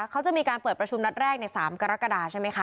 เขาจะมีการเปิดประชุมนัดแรกใน๓กรกฎาใช่ไหมคะ